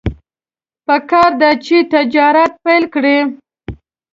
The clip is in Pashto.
پکار ده چې تجارت پیل کړي.